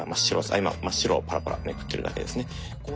今真っ白をパラパラめくってるだけですね。